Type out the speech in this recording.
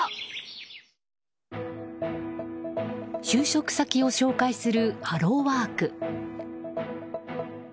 就職先を紹介するハローワーク。